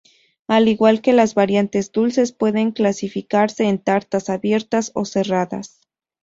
Al igual que las variantes dulces pueden clasificarse en tartas abiertas o cerradas.